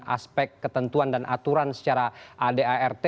aspek ketentuan dan aturan secara adart